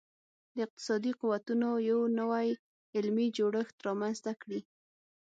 د اقتصادي قوتونو یو نوی علمي جوړښت رامنځته کړي